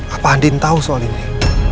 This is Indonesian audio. apa andin tahu soal ini